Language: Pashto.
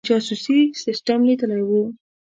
د جاسوسي سسټم لیدلی وو.